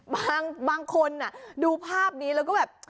บางคนดูภาพนี้แล้วก็แบบ